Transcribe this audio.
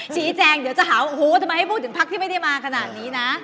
เดี๋ยวจะหาว่าโอ้โหทำไมให้พูดถึงพักที่ไม่ได้มาขนาดนี้นะ